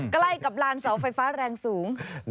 ใกล้กับลานเสาไฟฟ้าแรงสูง